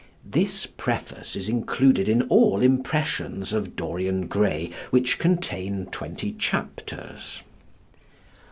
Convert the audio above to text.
This preface is included in all impressions of Dorian Gray which contain twenty chapters.